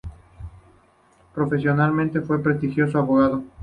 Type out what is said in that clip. Profesionalmente fue un prestigioso abogado.